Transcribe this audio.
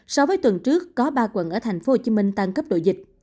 so với tuần trước có ba quận ở tp hcm tăng cấp độ dịch